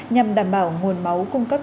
nhằm đảm bảo nguồn máu cung cấp